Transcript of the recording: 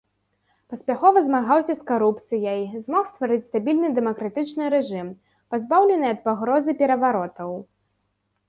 Паспяхова змагаўся з карупцыяй, змог стварыць стабільны дэмакратычны рэжым, пазбаўлены ад пагрозы пераваротаў.